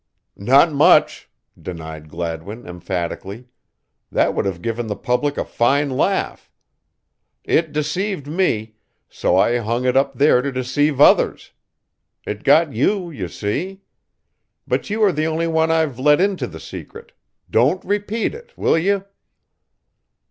"Not much," denied Gladwin emphatically. "That would have given the public a fine laugh. It deceived me, so I hung it up there to deceive others. It got you, you see. But you are the only one I've let into the secret don't repeat it, will you?"